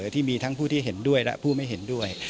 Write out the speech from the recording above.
ที่มีทั้งผู้ที่เห็นด้วยและผู้ไม่เห็นด้วย